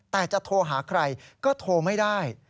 แต่จะโทรหาใครก็โทรไม่ได้